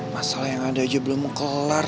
masalah yang ada aja belum kelar